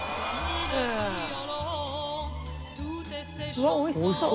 うわおいしそう。